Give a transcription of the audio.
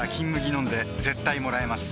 飲んで絶対もらえます